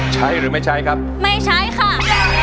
ใช้หรือไม่ใช้ครับไม่ใช้ค่ะ